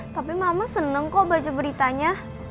tapi mama seneng kok baca beritanya